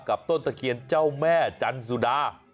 ต้นตะเคียนเจ้าแม่จันสุดา